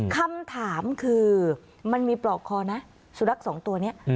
คำถามคือมันมีปลอกคอนะสุนัขสองตัวนี้